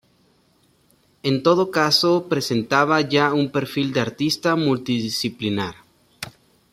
En todo caso presentaba ya un perfil de artista multidisciplinar.